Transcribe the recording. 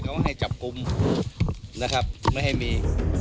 เขาให้จับกลุ่มนะครับไม่ให้มี